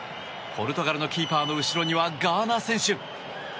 ポルトガルのキーパーの後ろにはガーナ選手。